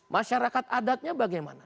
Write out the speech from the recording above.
masyarakat adatnya bagaimana